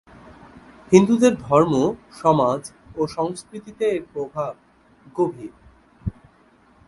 হিন্দুদের ধর্ম, সমাজ ও সংস্কৃতিতে এর প্রভাব গভীর।